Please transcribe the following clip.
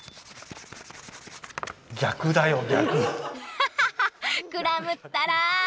ハハハクラムったら！